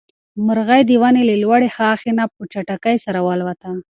مرغۍ د ونې له لوړې ښاخۍ نه په چټکۍ سره والوته.